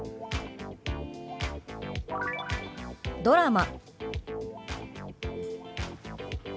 「ドラマ」。